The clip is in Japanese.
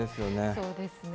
そうですね。